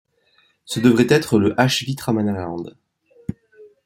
Ce devait être le Hvitramannaland.